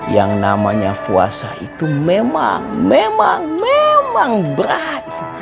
yang namanya fuasa itu memang memang memang berat